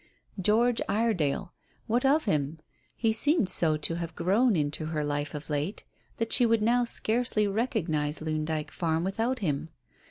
George Iredale. What of him? He seemed so to have grown into her life of late that she would now scarcely recognize Loon Dyke Farm without him.